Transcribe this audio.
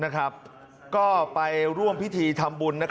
ก็ไปร่วมพิธีธรรมบุญ